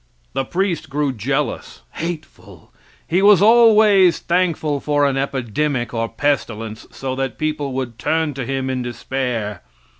The priest grew jealous, hateful; he was always thankful for an epidemic or pestilence, so that people would turn to him in despair.